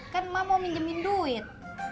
kan emak mau minjemin duit